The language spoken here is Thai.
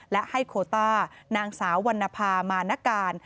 และให้โคต้านางสาววรรณภามาณการ